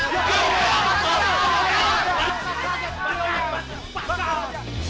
bakar aja bakar bakar aja